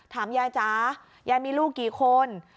ถามยายจ๋ายายมีลูกกี่คน